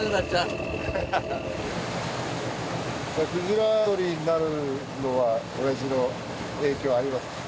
鯨とりになるのはおやじの影響ありますか？